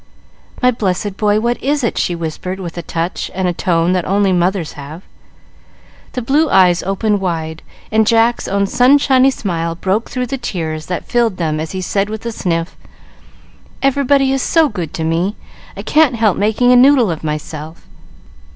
"My blessed boy, what is it?" she whispered, with a touch and a tone that only mothers have. The blue eyes opened wide, and Jack's own sunshiny smile broke through the tears that filled them as he said with a sniff, "Everybody is so good to me I can't help making a noodle of myself.